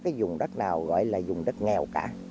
không có cái rừng đất nào gọi là rừng đất nghèo cả